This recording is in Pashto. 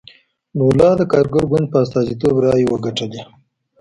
لولا د کارګر ګوند په استازیتوب رایې وګټلې.